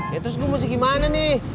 ya terus gue mesti gimana nih